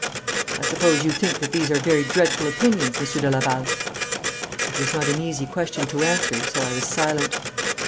I suppose you think that these are very dreadful opinions, Monsieur de Laval?' It was not an easy question to answer, so I was silent.